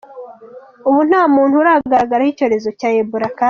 ubu nta muntu uragaragaraho icyorezo cya Ebola kandi